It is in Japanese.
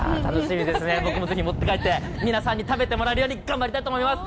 僕もぜひ持って帰って、皆さんに食べてもらえるように頑張りたいと思います。